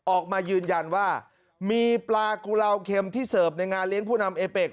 ออกมายืนยันว่ามีปลากุลาวเข็มที่เสิร์ฟในงานเลี้ยงผู้นำเอเป็ก